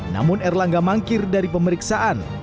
namun erlangga mangkir dari pemeriksaan